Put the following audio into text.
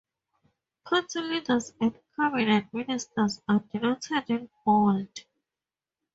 Party leaders and cabinet ministers are denoted in bold.